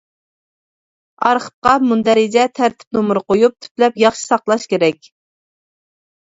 ئارخىپقا مۇندەرىجە، تەرتىپ نومۇرى قويۇپ، تۈپلەپ ياخشى ساقلاش كېرەك.